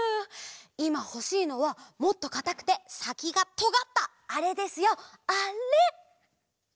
いまほしいのはもっとかたくてさきがとがったあれですよあれ！